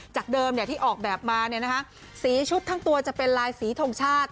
จากเดิมเนี่ยที่ออกแบบมาเนี่ยนะฮะสีชุดทั้งตัวจะเป็นลายสีทงชาติ